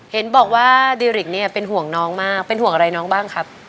เห็นบอกว่าดิริกเนี่ยเป็นห่วงน้องมากเป็นห่วงอะไรน้องบ้างครับ